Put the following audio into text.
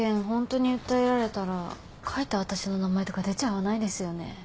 ホントに訴えられたら書いた私の名前とか出ちゃわないですよね？